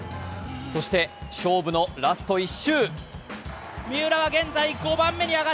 そして、勝負のラスト１周。